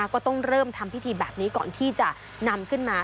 ก็ต้องเริ่มทำพิธีแบบนี้ก่อนที่จะนำขึ้นมา